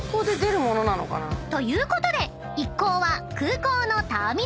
［ということで一行は］